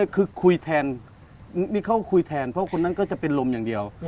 นั่นคือคือตัดตามคุยแทนเพราะนี่เป็นคนรับที่เดียว